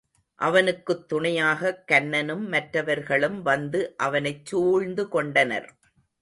அவனுக்குத் துணையாகக் கன்னனும் மற்றவர்களும் வந்து அவனைச் சூழ்ந்து கொண்டனர்.